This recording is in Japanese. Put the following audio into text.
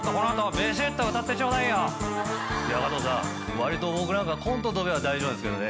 わりと僕なんかコントんときは大丈夫なんすけどね。